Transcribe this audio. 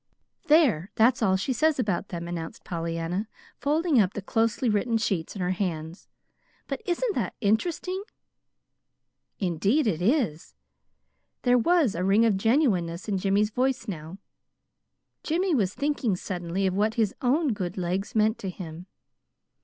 "There, that's all she says about them," announced Pollyanna, folding up the closely written sheets in her hands. "But isn't that interesting?" "Indeed it is!" There was a ring of genuineness in Jimmy's voice now. Jimmy was thinking suddenly of what his own good legs meant to him.